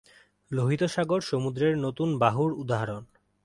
লোহিত সাগর সমুদ্রের নতুন বাহুর উদাহরণ।